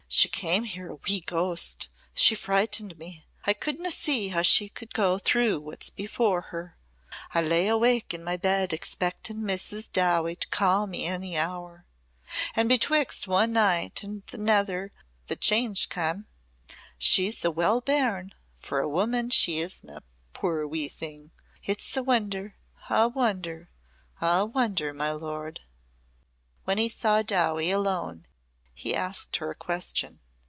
"She came here a wee ghost. She frighted me. I couldna see how she could go through what's before her. I lay awake in my bed expectin' Mrs. Dowie to ca' me any hour. An' betwixt one night and anither the change cam. She's a well bairn for woman she isna, puir wee thing! It's a wonder a wonder a wonder, my lord!" When he saw Dowie alone he asked her a question.